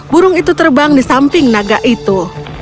burung itu terbang di samping naga itu